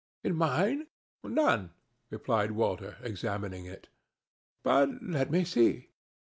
"In mine? None," replied Walter, examining it. "But let me see.